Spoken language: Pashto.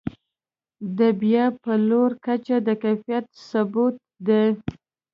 د بیا پلور کچه د کیفیت ثبوت دی.